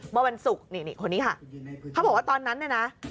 เมื่อวันศุกร์เขาบอกว่าตอนนั้นนะ